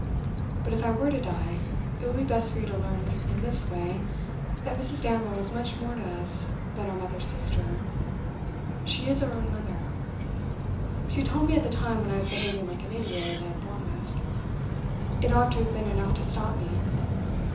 But if I were to die, it will be best for you to learn in this way that Mrs. Damerel is much more to us than our mother's sister; she is our own mother. She told me at the time when I was behaving like an idiot at Bournemouth. It ought to have been enough to stop me.